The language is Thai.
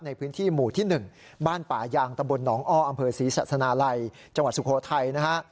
ในพื้นที่หมู่ที่๑บ้านป่ายางตำบลหนองอ้ออำเภอศรีศาสนาลัยจังหวัดสุโขทัยนะฮะ